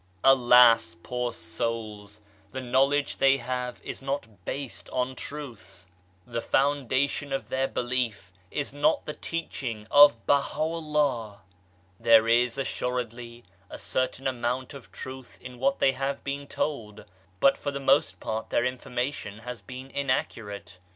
Alas, poor souls, the knowledge they have is not based on truth, 156 POWER OF THE HOLY SPIRIT the foundation of their belief is not the teaching of BahaVllah I There is, assuredly, a certain amount of truth in what they have been told, but for the most part their information has been inaccurate.